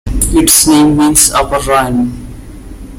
Its name means "Upper Rhine".